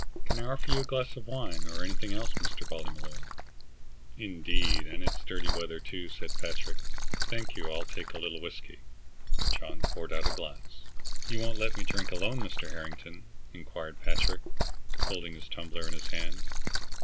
"Can I offer you a glass of wine, or anything else, Mr. Ballymolloy?" "Indeed, and it's dirty weather, too," said Patrick. "Thank you, I'll take a little whiskey." John poured out a glass. "You won't let me drink alone, Mr. Harrington?" inquired Patrick, holding his tumbler in his hand.